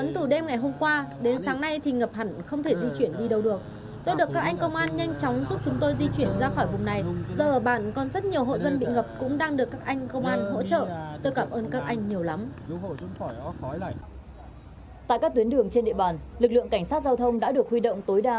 tại các tuyến đường trên địa bàn lực lượng cảnh sát giao thông đã được huy động tối đa